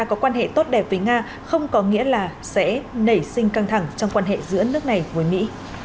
có quan hệ tốt đẹp với nga không có nghĩa là sẽ nảy sinh căng thẳng trong quan hệ giữa nước này với mỹ